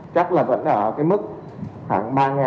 chắc là vẫn ở mức khoảng ba ca một ngày